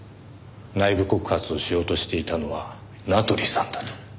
内部告発をしようとしていたのは名取さんだと。